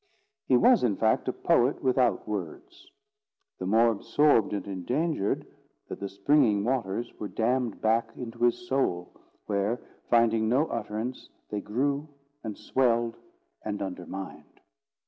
He was in fact a poet without words; the more absorbed and endangered, that the springing waters were dammed back into his soul, where, finding no utterance, they grew, and swelled, and undermined.